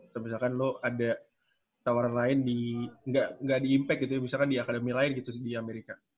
atau misalkan lu ada tawaran lain di gak di impact gitu ya misalkan di academy lain gitu di amerika